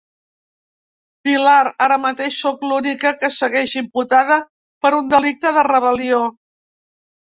Pilar, ara mateix sóc l’única que segueix imputada per un delicte de rebel·lió.